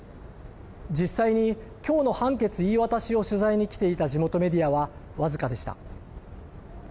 実際に今日の判決言い渡しを取材に来ていた地元メディアは僅かでした。